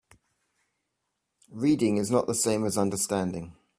Reading is not the same as understanding.